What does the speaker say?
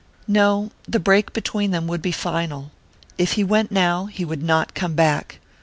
No, the break between them would be final if he went now he would not come back.